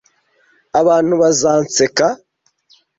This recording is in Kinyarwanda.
Abantu bazansetsa?